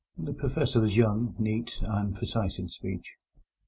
The Professor was young, neat, and precise in speech.